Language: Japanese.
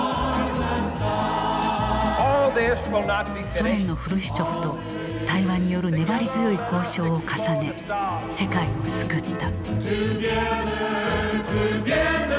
ソ連のフルシチョフと対話による粘り強い交渉を重ね世界を救った。